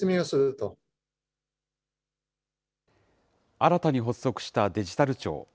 新たに発足したデジタル庁。